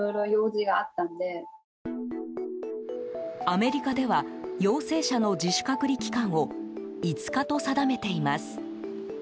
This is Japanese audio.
アメリカでは陽性者の自主隔離期間を５日と定めています。